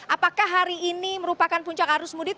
apakah hari ini merupakan puncak arus mudik